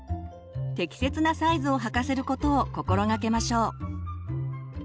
適切なサイズを履かせることを心がけましょう。